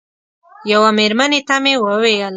یوه مېرمنې ته مې وویل.